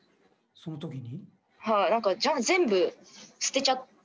その時に？